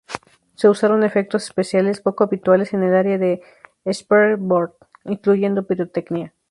Se usaron efectos especiales, poco habituales en el área de Shreveport, incluyendo pirotecnia.